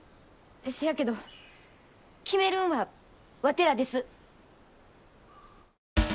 せやけど決めるんはワテらです。